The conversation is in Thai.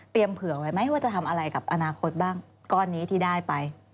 เผื่อไว้ไหมว่าจะทำอะไรกับอนาคตบ้างก้อนนี้ที่ได้ไป